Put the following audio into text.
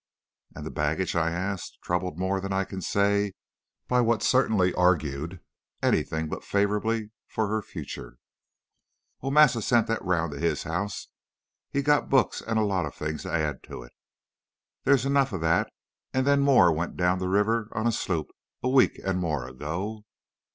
"'And the baggage?' I asked, troubled more than I can say by what certainly augured anything but favorably for her future. "'Oh, massa send dat round to his house. He got books, an' a lot o' things to add to it. Dere's enough o' dat; an' den more went down de ribber on a sloop a week an' more ago.' "'So!